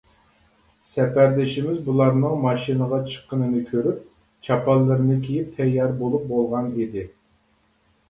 سەپەردىشىمىز بۇلارنىڭ ماشىنىغا چىققىنىنى كۆرۈپ چاپانلىرىنى كىيىپ تەييار بولۇپ بولغان ئىدى.